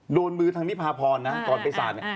โดนมือทางนิพาพรนะตอนไปสาดเนี่ย